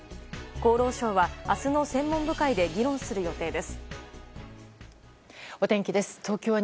厚労省は明日の専門部会で議論する予定です。